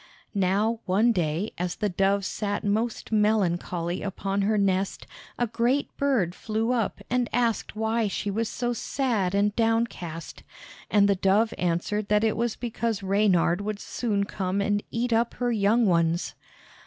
Now one day, as the dove sat most melancholy upon her nest, a great bird flew up and asked why she was so sad and downcast. And the dove answered that it was because Reynard would soon come and eat up her young ones.